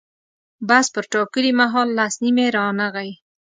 بس پر ټاکلي مهال لس نیمې رانغی.